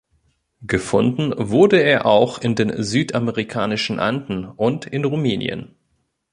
Gefunden wurde er auch in den südamerikanischen Anden und in Rumänien.